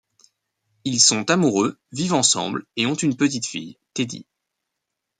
Ils sont amoureux, vivent ensemble et ont une petite fille, Teddy.